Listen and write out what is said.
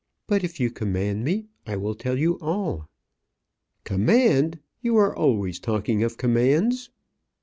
But if you command me, I will tell you all." "Command! you are always talking of commands."